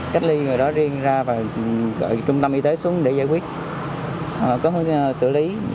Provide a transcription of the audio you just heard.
cách ly người đó riêng ra và gọi trung tâm y tế xuống để giải quyết có xử lý